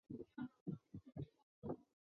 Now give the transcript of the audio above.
过后才会发现